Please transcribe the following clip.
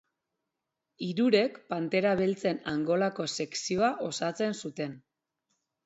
Hirurek Pantera Beltzen Angolako Sekzioa osatu zuten.